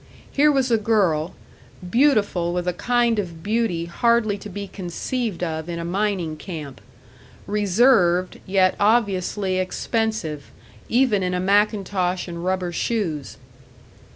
Here was a girl, beautiful with a kind of beauty hardly to be conceived of in a mining camp; reserved, yet obviously expensive even in a mackintosh and rubber shoes.